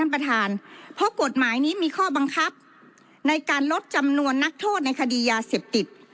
ประธานเพราะกฎหมายนี้มีข้อบังคับในการลดจำนวนนักโทษในคดียาเสพติด